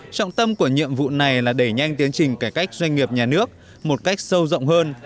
trọng tâm của nhiệm vụ này là đẩy nhanh tiến trình cải cách doanh nghiệp nhà nước một cách sâu rộng hơn